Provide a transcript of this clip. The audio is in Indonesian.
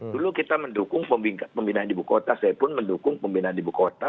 dulu kita mendukung pembinaan ibu kota saya pun mendukung pembinaan ibu kota